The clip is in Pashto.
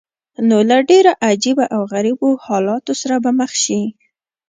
نو له ډېرو عجیبه او غریبو حالاتو سره به مخ شې.